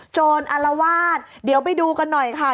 ตอนอารวาสเดี๋ยวไปดูกันหน่อยค่ะ